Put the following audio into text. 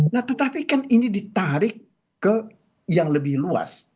nah tetapi kan ini ditarik ke yang lebih luas